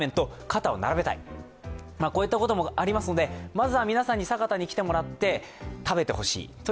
まずは皆さんに酒田に来てもらって食べてほしい。